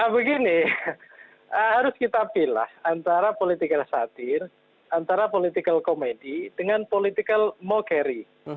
begini harus kita pilihlah antara politik yang satir antara politik komedi dengan politik yang mau carry